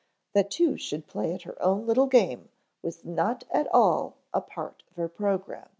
That two should play at her own little game was not at all a part of her program.